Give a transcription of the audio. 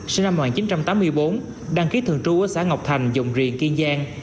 sinh năm một nghìn chín trăm tám mươi bốn đăng ký thường trú ở xã ngọc thành dòng riềng kiên giang